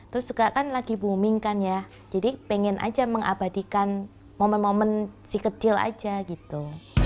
terus juga kan lagi booming kan ya jadi pengen aja mengabadikan momen momen si kecil aja gitu